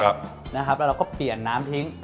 แล้วเราก็เปลี่ยนน้ำทิ้ง